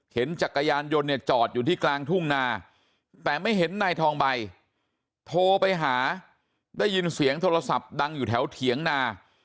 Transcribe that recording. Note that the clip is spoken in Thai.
จักรยานยนต์เนี่ยจอดอยู่ที่กลางทุ่งนาแต่ไม่เห็นนายทองใบโทรไปหาได้ยินเสียงโทรศัพท์ดังอยู่แถวเถียงนา